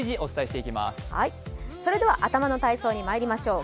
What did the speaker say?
それでは頭の体操にまいりましょう。